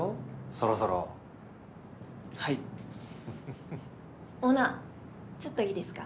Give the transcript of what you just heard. そろそろはいオーナーちょっといいですか？